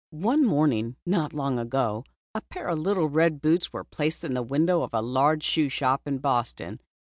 ONE morning not long ago, a pair of little red boots were placed in the window of a large shoe shop in Boston.